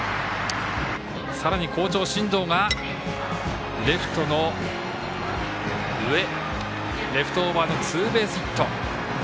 さらに好調、進藤がレフトの上レフトオーバーのツーベースヒット。